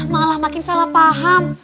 malah makin salah paham